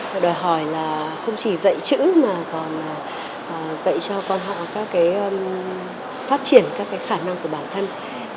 và đòi hỏi là không chỉ dạy chữ mà còn dạy cho con họ các cái phát triển các cái khả năng của bản thân